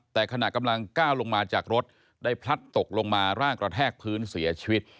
แต่ขณะกำลังก้าวลงมาจากรถได้พลัดตกลงมาร่างกระแทกพื้นเสียชีวิต